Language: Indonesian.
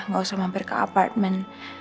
gak usah mampir ke apartemen